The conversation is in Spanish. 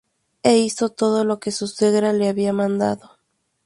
é hizo todo lo que su suegra le había mandado.